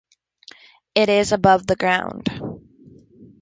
It is above the ground.